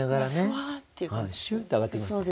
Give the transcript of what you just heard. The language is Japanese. シューって上がっていきますからね。